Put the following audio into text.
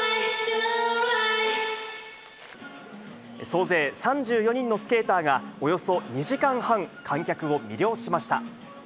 総勢３４人のスケーターがおよそ２時間半、観客を魅了しました。